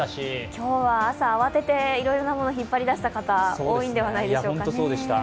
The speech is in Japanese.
今日は朝、慌てていろいろなもの引っ張り出した方、多いのではないでしょうか。